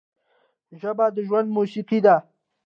ژبه د ژوند موسیقي ده